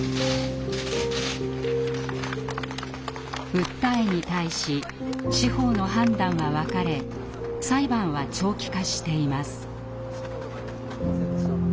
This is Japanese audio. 訴えに対し司法の判断は分かれ裁判は長期化しています。